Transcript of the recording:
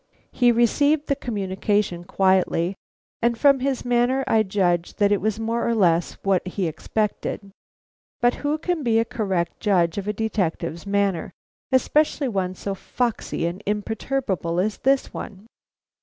He received the communication quietly, and from his manner I judged that it was more or less expected. But who can be a correct judge of a detective's manner, especially one so foxy and imperturbable as this one?